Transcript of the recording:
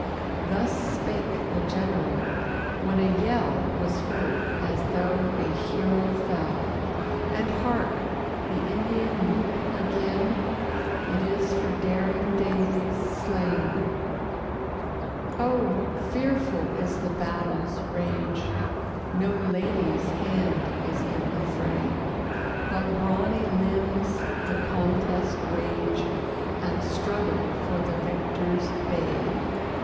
Thus spake the general; when a yell Was heard, as though a hero fell. And, hark! the Indian whoop again It is for daring Daviess slain! Oh! fearful is the battle's rage; No lady's hand is in the fray; But brawny limbs the contest wage, And struggle for the victor's bay.